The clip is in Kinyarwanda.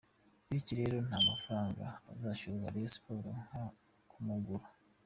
Bityo rero nta mafaranga azahabwa Rayon Sports nko kumugura.